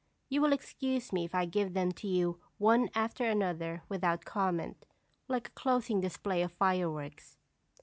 You will excuse me if I give them to you one after another without comment, like a closing display of fireworks.